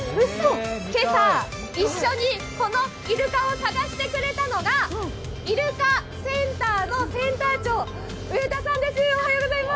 今朝、一緒にこのイルカを探してくれたのが、イルカセンターのセンターセンター長の植田さんです。